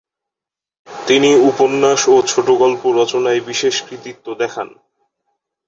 তিনি উপন্যাস ও ছোটগল্প রচনায় বিশেষ কৃতিত্ব দেখান।